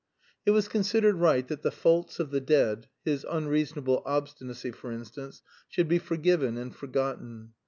It was considered right that the faults of the dead (his unreasonable obstinacy, for instance) should be forgiven and forgotten.